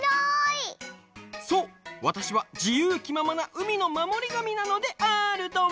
わたしはじゆうきままなうみのまもりがみなのであるドン！